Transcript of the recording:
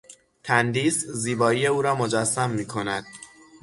تندیس، زیبایی او را مجسم میکند.